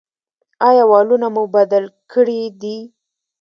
ایا والونه مو بدل کړي دي؟